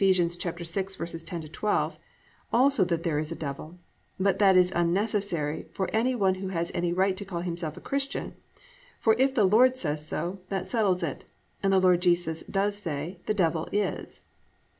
6:10 12) also that there is a Devil; but that is unnecessary for any one who has any right to call himself a Christian, for if the Lord says so, that settles it, and the Lord Jesus does say +"The devil. .. .is."